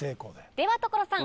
では所さん